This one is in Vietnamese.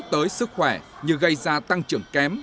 tới sức khỏe như gây ra tăng trưởng kém